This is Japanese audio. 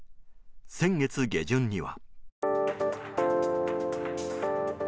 先月下旬には。